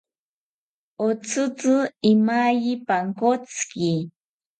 Otzitzi imaye pankotziki